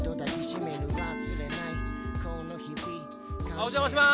お邪魔します。